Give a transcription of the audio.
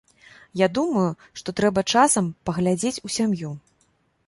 Я думаю, што трэба часам паглядзець у сям'ю.